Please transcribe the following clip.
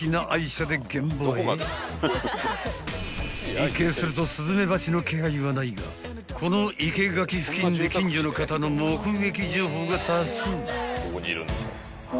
［一見するとスズメバチの気配はないがこの生け垣付近で近所の方の目撃情報が多数］